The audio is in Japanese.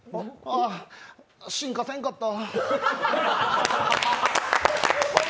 あ進化せんかった。